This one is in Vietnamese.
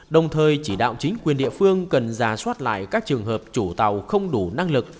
đồng thời chỉ đạo chính quyền địa phương cần giả soát lại các trường hợp chủ tàu không đủ năng lực